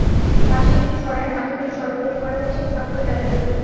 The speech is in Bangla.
পাশে একটি ছড়ায় মাটি ফেলে সড়ক তৈরি করা হয়েছে ট্রাক্টর যাতায়াতের জন্য।